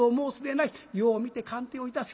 よう見て鑑定をいたせ。